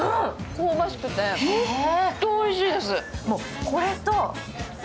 香ばしくて、本当においしいです。